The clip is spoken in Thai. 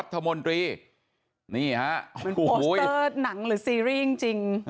โปสเตอร์โหมโตรงของทางพักเพื่อไทยก่อนนะครับ